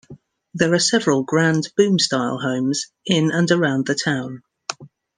There are several grand "boom style" homes in and around the town.